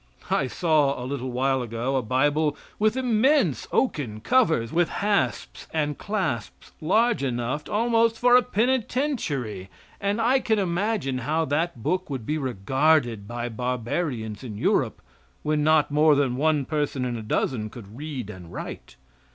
I saw a little while ago a Bible with immense oaken covers, with hasps and clasps large enough almost for a penitentiary, and I can imagine how that book would be regarded by barbarians in Europe when not more than one person in a dozen could read and write.